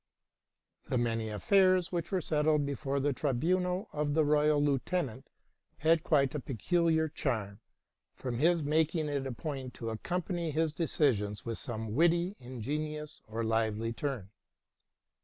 The many affairs which were settled before the tribunal of the royal lieutenant had quite a peculiar charm, from his making if a point to accompany his decisions with some witty, ingenious, or lively turn.